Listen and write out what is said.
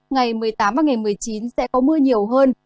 ngày một mươi tám và ngày một mươi chín sẽ có mưa nhiều hơn